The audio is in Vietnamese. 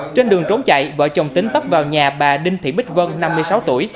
trên đường trốn chạy vợ chồng tính tấp vào nhà bà đinh thị bích vân năm mươi sáu tuổi